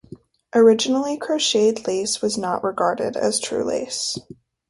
Originally crocheted lace was not regarded as true lace.